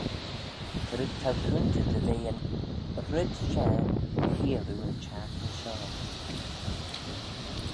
Cre t'ou coontey dy ve yn red share cheayll oo yn çhiaghtin shoh?